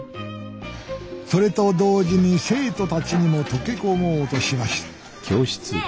それと同時に生徒たちにも溶け込もうとしましたねえ